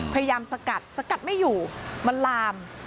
สกัดสกัดไม่อยู่มันลาม